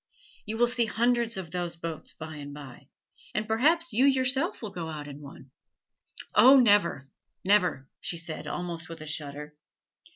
You will see hundreds of those boats by and by, and perhaps you yourself will go out in one." "Oh, never, never!" she said, almost with a shudder.